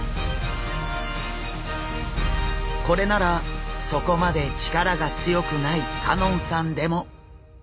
これならそこまで力が強くない香音さんでも。